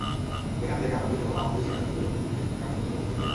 যেখান থেকে আমরা খুঁজে পাব আমাদের সেরা খুদে গণিতবিদদের, আগামী দিনের গণিতবিদদের।